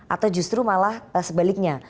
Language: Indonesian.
atau justru malah sebaliknya